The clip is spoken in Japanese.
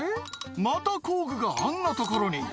また工具があんな所に」